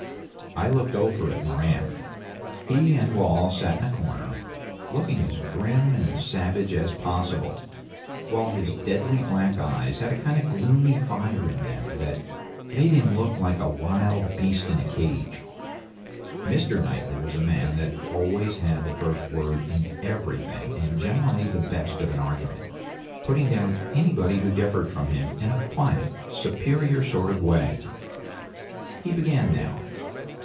I looked over at Moran. He and Wall sat in a corner, looking as grim and savage as possible, while his deadly black eyes had a kind of gloomy fire in them that made him look like a wild beast in a cage. Mr. Knightley was a man that always had the first word in everything, and generally the best of an argument putting down anybody who differed from him in a quiet, superior sort of way. He began now.